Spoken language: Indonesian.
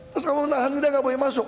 terus kalau menahan kita gak boleh masuk